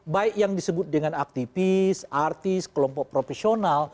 baik yang disebut dengan aktivis artis kelompok profesional